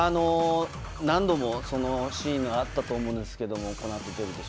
何度もそのシーンがあったと思うんですけど。